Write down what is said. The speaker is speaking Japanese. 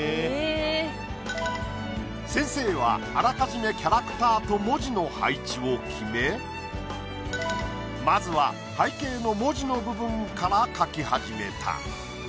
先生はあらかじめキャラクターと文字の配置を決めまずは背景の文字の部分から書き始めた。